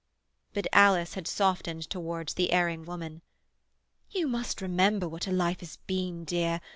But Alice had softened towards the erring woman. "You must remember what her life has been, dear.